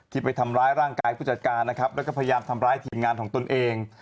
ไปทำร้ายร่างกายผู้จัดการนะครับแล้วก็พยายามทำร้ายทีมงานของตนเอง